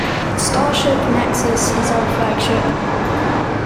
The starship nexus is our flagship.